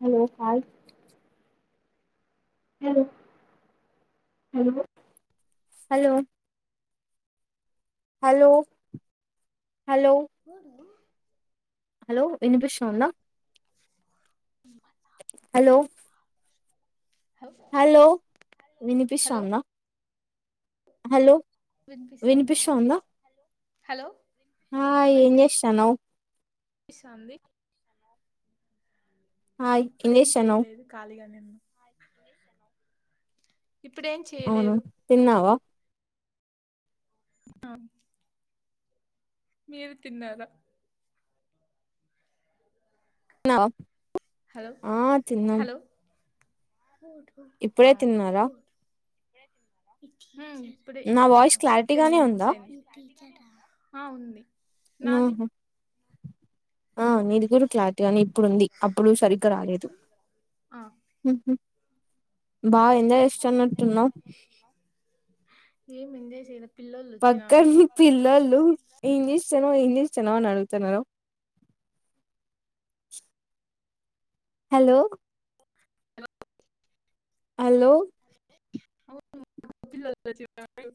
Hello call hello hello hello hello hello ఎవడు hello వినిపిస్తుంద [unintelligible] hello hello hello వినిపిస్థాందా hello వినిపిస్తంది హలో ఆ ఏం జే స్త నవు ఇ సంది హాయ్ ఇప్పుడు ఏం చేస్తాన్నావ్ చేయలేదు ఖాళీగానే నున్ ఇప్పుడేం అవును చేయలేదు తిన్నావా ఆ మీరు తిన్నారా అ హలో ఆ తిన్నం హలో ఇప్పుడే తిన్నారా ఇప్పుడే నా ఒక వాయిస్ టెన్ క్లారిటీగానే ఉందా మినిట్స్ అయింది ఆ ఉంది నాది [unintelligible] ఆ నీది కూదా క్లారిటీ గానీ ఇప్పుడుంది అప్పుడు సరిగ్గా రాలేదు ఆ బాయ్ ఏం ఎంజాయ్ [unintelligible] [unintelligible] వచ్చినారు పక్కన పిల్లోల్లు [unintelligible] ఏం చేస్తున్నావ్ అనడుగుతున్నారు హలో హలో పిల్లోళ్ళు వచ్చినారు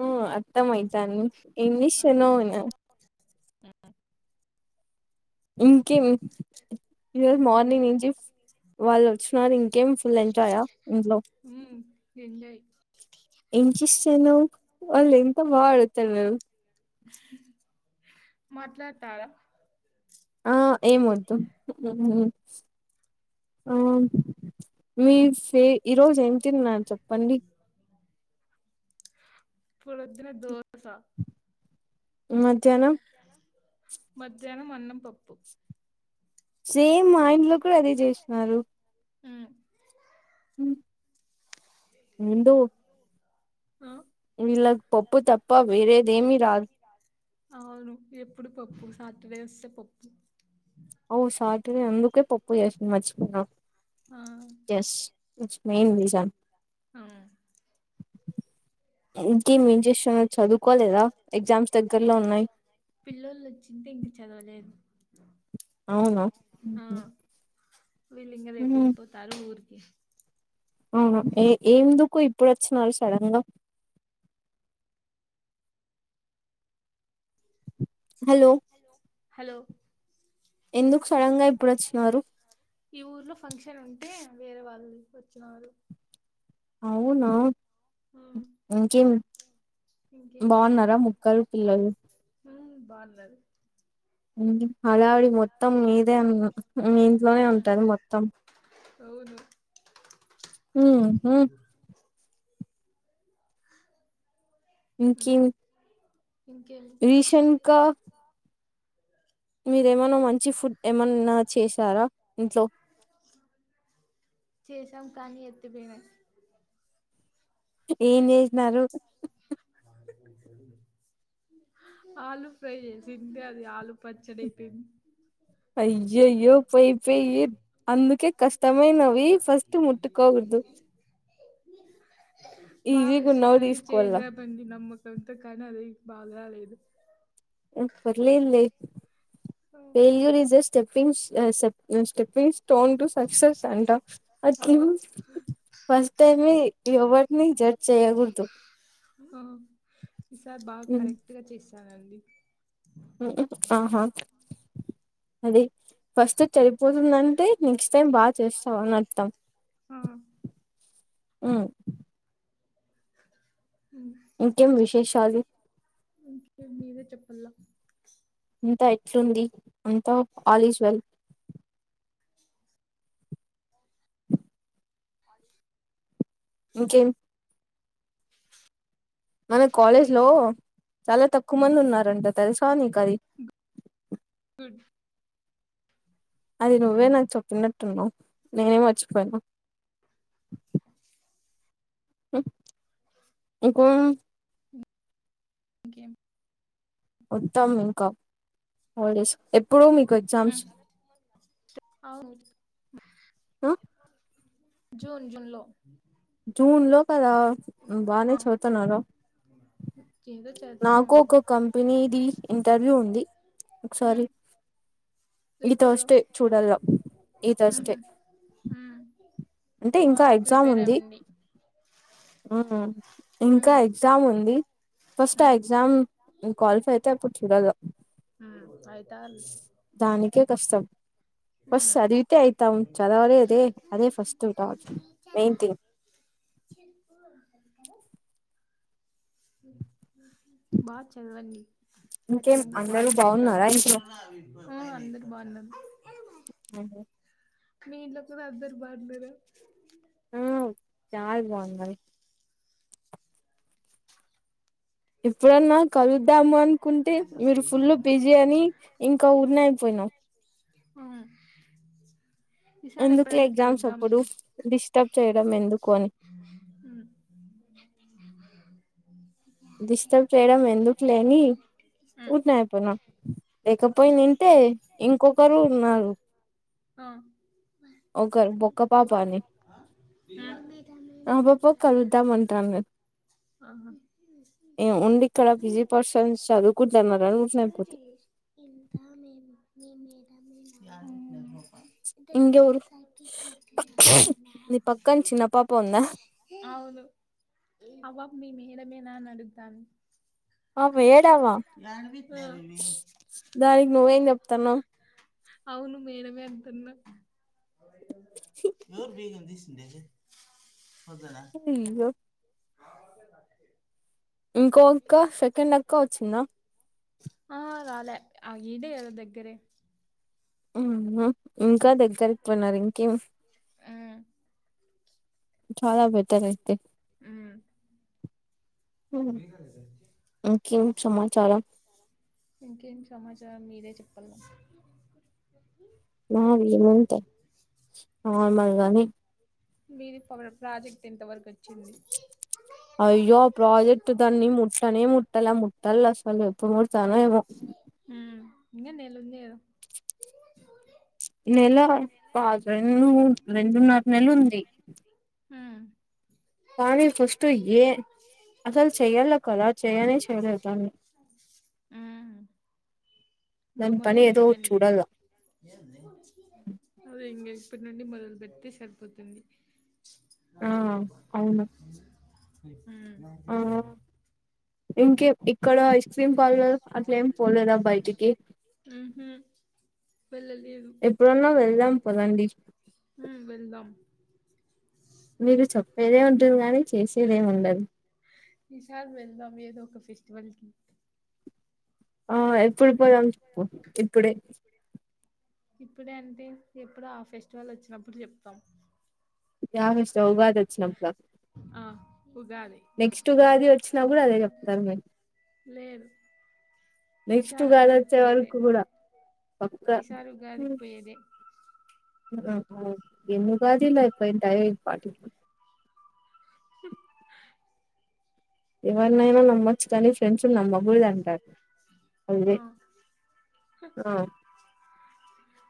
ఉం అ త్తమైతాంది ఏం చేస్తున్నావ్ [unintelligible] ఇంకేం ఈరోజు ఇంకేమి మార్నింగ్ నుంచి వాళ్ళు వచ్చినారు ఇంకేం ఫుల్ ఎంజాయ్ ఆ ఇంట్లో ఉమ్ ఎంజాయ్ [unintelligible] టేనో వాళ్ ఎంత బా ఆడుతారు వె [unintelligible] మాట్లాడతారా ఆ ఏం వదు అ మీస్ ఏ ఈరోజు ఎం తిన్నాన్ చెప్పండి పళ దిన దోస మధ్యాహ్నం మధ్యాన్నం అన్నం పప్పు సేమ్ మా ఇంట్లో కూడా అదే చేసినారు హ్మ్ ఉండు ఆ వీళ్ళకు పప్పు తప్ప వేరేదేమి రా [unintelligible] అవును ఎప్పుడు పప్పు సాటర్డే వస్తే పప్పు ఔ సాటర్డే అందు కే పప్పు చేసిన ఆ [inaudible] ఎస్ మెయిన్ రీజన్ అం ఏంటి మీ ఇంటెన్షన్ చదువుకోలేదా ఎగ్జామ్స్ దగ్గర్లో ఉన్నాయి. పిల్లోళ్ళు వచ్చింటే ఇంక చదవలేదు అవునా ఆ మ్మ్ వీళ్ళింకా రేపు ఎళ్ళిపోతారు ఊర్ ఓకే అవునా ఏ ఏందుకు ఇప్పుడచ్చినారు సడన్గా హలో హలో ఎందుకు సడన్గ ఇప్పుడొచ్చినారు. ఈ ఊర్లో ఫంక్షన్ ఉంటే వేరే వాళ్ళు వచ్చినారు. అవునా హ్మ్ ఇంకేం ఇంకేం బాగున్నారా ముక్కలు పిల్లలు మ్ బాగున్నారు ఏంటి హడావి మొత్తం మీదే అం మీ ఇంట్లోనే హ్మ్ ఉంటరు మొత్తం అవును. హ్మ్ హ్మ్ హ్మ్ ఇంకి ఇంకేం రీసెంట్గా మీరేమన్నా మంచి ఫుడ్ ఏమన్నా చేశారా ఇంట్లో పాయసం కానీ [inaudible] ఏం చేసినారు. ఆలూ ఫ్రై చేసింటే అది ఆలూ పచ్చడి అయిపోయింది. అయ్యయ్యో పోయి పోయి అందుకే కష్టమైనవి ఫస్ట్ ముట్టుకోవద్దు. బాగా ఉన్నవి వచ్చిందని తీసుకోవాల చేద్దాం అనే నమ్మకంతో కని అది బారాలేేదు. ఏం పర్లేదు లే failure is a స్టేపింగ్స్ [inaudible] step be stone to success అంట ఓ అట్ ఫస్ట్ టై ఇవ వట్ నేచర్ ఈసార్ బాగా కరెక్ట్గా చేస్ ఆహా అదే ఫస్ట్ చెడిపోతుందంటే నెక్స్ట్ టైం బాగా చేస్తావు అని అర్థం హ్మ్ హ్మ్ ఇంకెం విష్ విషాలు ఇంకే మీరే చెప్పలా అంత ఎట్లుంది అంత ఆల్ ఈజ్ వెల్ ఇంకేం మన కాలేజ్ వెల్ లో చాలా తక్కువ మంది ఉన్నారంట తెలుసా నీకు అది అది నువ్వే నాకు చెప్పినట్టు ఉన్నావ్ నేనే మర్చిపోయాను ఇంకా ఇంకేం ఉత్తమ్ ఇంకామ్ హాలిడేస్ ఎప్ ఎప్పుడు మీకు ఎగ్జామ్స్ అవును ఆ జూన్ జూన్ లో జూన్ లో కదా బానే ఆ చదువు తున్నారు ఏదో చేద్దాను నాకు అండి ఒక కంపెనీ ది ఇంటర్వ్యూ ఉంది ఉమ్ ఒకసారి ఈ ఎప్పుడు థర్స్డే చూడాల ఈ థర్స్డే హమ్ అంటే ఇంకా ఎగ్జామ్ ఉంది ఇంకా ఉమ్ ఎగ్జామ్ ఉంది ఫస్ట్ ఆ ఉమ్ ఎగ్జామ్ క్వాలిఫై అయితే అప్పుడు చూడలా ఉమ్ అయితారు దానికి నీకే కష్టం పాస్ ఉమ్ చదివితే అయితాం చదవాలే అదే ఫస్ట్ ట్రూ మెయిన్ థింగ్ బాగా చదవండి ఇంకేం ఖచ్చితంగా అందరూ క్వాలిఫై అవుతారు బాగున్నారా ఇంట్లో అందరు బాగున్నాం అదే మీ ఇంట్లో కు అందరూ బాగున్నారా మ్ చాల బాగున్నది ఎప్పుడన్నా కలుద్దాము అనుకుంటే మీరు ఫుల్ బిజీ అని ఇంకా ఉన్నాయి పోయినవ హ అందుకే ఎగ్జామ్స్ అప్పుడు డిస్టర్బ్ చే ఫ్రమ్ ఎందు కు కొన్ని ఉమ్ డిస్టర్బ్ చేయడం ఎందుకు లే అని ఉమ్ ఉన్నాయిపోనా లేకపోయి ఇంతే ఇంకొకరు ఉన్నారు ఆ ఒకరు బోక్క పాపా అని ఉమ్ బో పాప కలుద్దాం అంటున్నారు ఆహా. ఉండి ఇక్కడ బిజీ పర్సన్స్ ఈ చదువుకుంటున్నారని ఊరినే అయిపోతిమి క్యూటీ ఇంకా మేమూ ఉం ఇంకెవరు నీ పక్కన చిన్న పాప ఉందా ఔను అవ్వక్ మేమే ఇడ మీ నాన్న అడుగు తాండు ఆ వేడావా దానికి నువ్వేం చెప్తాన్నావ్ అవును మేడమే అంటున్నా ఎవరు బిగం తీశి దెహే [unintelligible] [unintelligible] ఇంకో ఇంక సెకండ్ అక్క వచ్చిందా ఆ రాలే ఆ ఇడే కధ దగ్గరె ఉ మ్ హు ఇంకా దగ్గరికి పోయినారు ఇంకేం ఉమ్ చాలా బెటర్ అయితే ఉం [unintelligible] కిం సమాచారం ఇంకేంటి సమాచారం మీరే చెప్పలగా మాది ఎం ముంటాయి మహాత్మాగాంధీ మీది పవర్ ప్రాజెక్ట్ ఎంత వరకు వచ్చింది అయ్యో ప్రాజెక్ట్ దాని ముట్టనే ముట్టల ముట్టల అసలు ఎప్పుడు ముడత తలైవో ఇంగ నెలఉందికదా నెల కాదు రెండు మూడు రెండున్నర నెలు ఉంది ఉమ్ కానీ ఫస్ట్ ఎ అసలు చెయ్యాల కదా చేయ్యనే చెయలేరు తని ఇంగ పని మొదలు ఏదో పెట్టండి చూడాల ఏంది అదే ఎంగే ఇప్పటి నుండి మొదలు పెడితే సరిపోతుంది [unintelligible] ఆ అవును [unintelligible] ఉం బాగా చెప్పినవ్ లే ఇంకేం ఇక్కడ ఇష్ట అసలు ఏం బాగాలేదు అట్ల ఏమి పోలేదా బయటికి ఉహు వెళ్ళలేదు ఎప్పుడన్నా వెళ్దాం పదండి. ఉమ్ వెళ్దాం మీరు చెప్పేదే ఉంటది గాని చేసేదేమి ఉండదు. ఎవరికి ఆ ఎప్పుడు పోదాం చెప్పు ఇప్పుడే ఇప్పుడే అంటే ఎప్పుడు ఆ ఫెస్టివల్ వచ్చినప్పుడు చెప్తాం. [unintelligible] వచ్చినప్పుడా ఆ ఉగాది నెక్స్ట్యూ ఉగాది వచ్చినా కూడా అదే చెప్తారు మేము లేదు నెక్స్ట్ ఈసారి ఉగాది ఉగాదికి వచ్చే పోయేదే వరకు కూడా పక్క ఈసారి ఉగాదికి పోయేదే [unintelligible] ఎన్ని ఉగాది లు అయిపోంటాయి. [unintelligible] [inaudible] ఎవరినైనా నమ్మచ్చు కానీ ఫ్రెండ్స్ నమ్మకూడదు అంటారు. ఆ అదే ఆ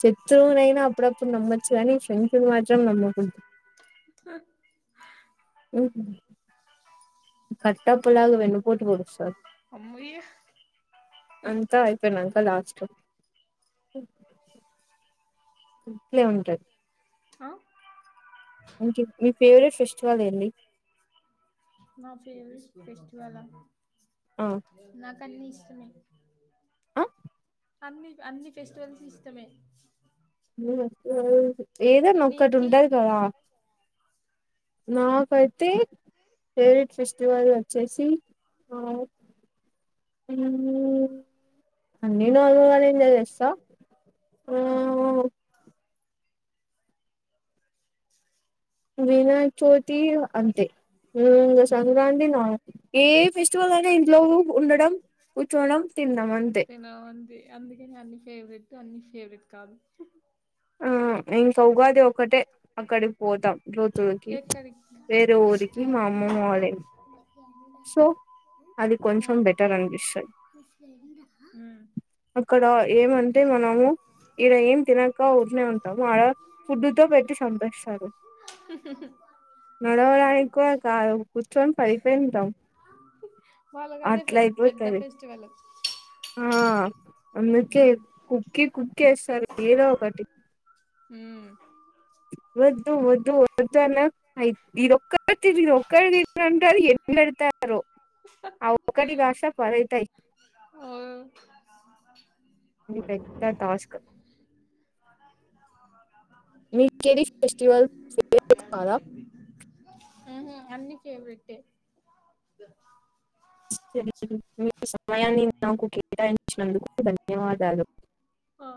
శత్రువునైనా అప్పుడప్పుడు నమ్మొచ్చు కానీ ఫ్రెండ్స్ మాత్రం నమ్మకూడదు. [inaudible] హు కట్ టడప్పలాగా వెన్న పోటుపోడు సార్ అమ్మయ్య అంతా అయిపోయినా అంక లాస్ట్ ఓ ఇట్లే ఉంటది. ఆ ఇంక ఫేవరెట్ ఫెస్టివల్ ఏంది నా ఫవరెట్ ఫెస్టివల్ ఆ ఆ నా అన్ని ఇష్టమే ఆ అన్ని అన్ని ఫెస్టివల్స్ ఇష్టమే [unintelligible] ఏదన్న ఒక్కటి నీకి ఉంటది కదా నాకైతే ఫేవరెట్ ఫెస్టివల్ వచ్చేసి ఆ ఊ అన్నీ నాలుగు [unintelligible] స ఆ వినాయక చవితి అంతే ఊ ఉమ్ సంక్రాంతి నా ఏ ఫెవ చూలన్ [inaudible] లెవ్వు ఉండడం కూర్చోడం తినడం అంతే తెలవంది అందుకని అన్ని ఫేవరెట్ అన్ని ఫేవరెట్ కాదు ఆ ఇంకా ఉగాది ఒక్కటే అక్కడికి పోతాం జ్యోతులకి ఎక్కడికి వేరే ఊరికి ఆ మా అమ్మమ్మ వాళ్ళే సో అది కొంచెం ఉమ్ బెటర్ అనిపిస్తది ఉమ్ అక్కడ ఏమంటే మనం ఈడ ఏం తినక ఆ ఊకనే ఆడ ఫుడ్డుతో పెట్టి సంపేస్తారు నడవడానికి కూడా కాదు చం పడిపోయి ఉంటాం వాళ్ళకి అదే అట్లా పె పెద్ద అయిపోతాది ఫెస్టివల్ ఆ అందుకే కుక్కి కుక్కి వేస్తారు మ్ వొద్దు వొద్దు వద్దు అన్య ఇదొక్క ఒంటారుారు ఎండతారు ఆ ఒటి భాష పరైతాయి ఉం ఇది పెద్ద టాస్క్ మీ కెడి ఫెస్టివల్ [inaudible] [inaudible] ఊహూ అన్నీ ఫేవరెట్టే [inaudible] మీ సమయాన్ని నాకు కేటాయించినందుకు ధన్యవాదాలు ఆ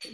తి